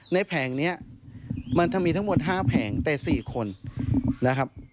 แผงนี้มันจะมีทั้งหมด๕แผงแต่๔คนนะครับ